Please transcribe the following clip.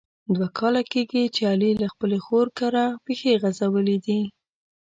دوه کاله کېږي چې علي له خپلې خور کره پښې غزولي دي.